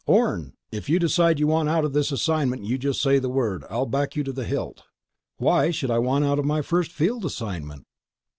"Orne, if you decide you want out of this assignment, you just say the word. I'll back you to the hilt." "Why should I want out of my first field assignment?"